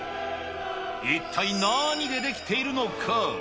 一体何で出来ているのか。